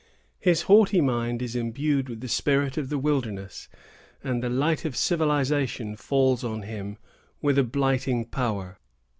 His haughty mind is imbued with the spirit of the wilderness, and the light of civilization falls on him with a blighting power.